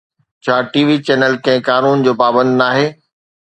ڇا T V channel ڪنهن قانون جو پابند ناهي؟